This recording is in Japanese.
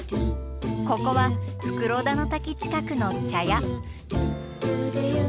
ここは袋田の滝近くの茶屋。